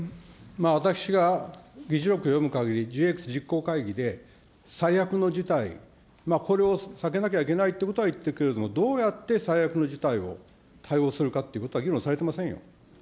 私が議事録を読むかぎり、ＧＸ実行会議で最悪の事態、これを避けなきゃいけないということは言っているけれども、どうやって最悪の事態を対応するかということは議論されてませんよ。